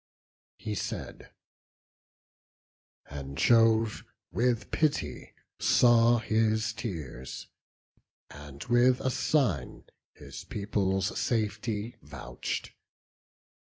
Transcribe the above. He said; and Jove, with pity, saw his tears; And, with a sign, his people's safety vouch'd.